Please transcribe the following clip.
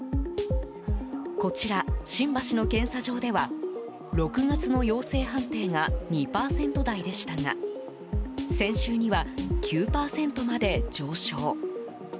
こちら、新橋の検査場では６月の陽性判定が２％台でしたが先週には９％まで上昇。